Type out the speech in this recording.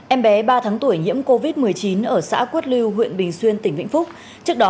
em bé ba tháng tuổi nhiễm covid một mươi chín ở xã quất lưu huyện bình xuyên tỉnh vĩnh phúc trước đó